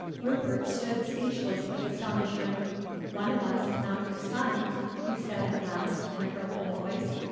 Rupert stood speechless with astonishment. "One of us not your son!" he said at last in a broken voice.